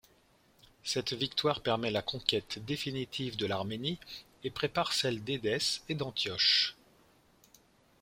Cette victoire permet la conquête définitive de l’Arménie, et prépare celle d’Édesse et d’Antioche.